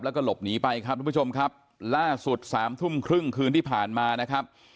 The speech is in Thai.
แล้วก็หลบหนีไปครับทุกผู้ชมครับล่าสุดสามทุ่มครึ่งคืนที่ผ่านมานะครับ